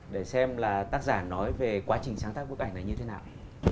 để xem là tác giả nói về quá trình sáng tác bức ảnh này như thế nào